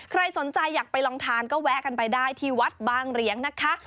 ใครสนใจอยากไปลองทานก็แวะกันไปได้ที่วัดบางเหรียงนะคะ